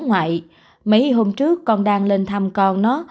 ngoại mấy hôm trước con đang lên thăm con nó